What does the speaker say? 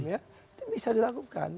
itu bisa dilakukan